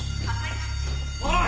おい！